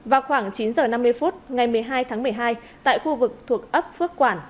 vào khoảng chín h năm mươi phút ngày một mươi hai tháng một mươi hai tại khu vực thuộc ấp phước quản